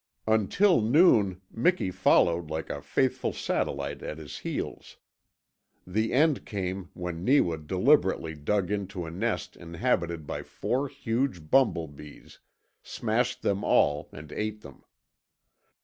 Until noon Miki followed like a faithful satellite at his heels. The end came when Neewa deliberately dug into a nest inhabited by four huge bumble bees, smashed them all, and ate them.